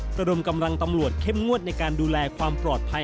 ระดมกำลังตำรวจเข้มงวดในการดูแลความปลอดภัย